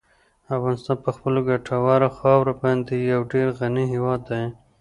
افغانستان په خپله ګټوره خاوره باندې یو ډېر غني هېواد دی.